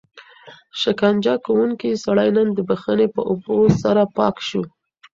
شکنجه کوونکی سړی نن د بښنې په اوبو سره پاک شو.